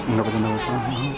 nggak berpesan apa apa